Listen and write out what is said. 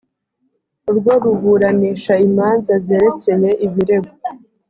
rwo ruburanisha imanza zerekeye ibirego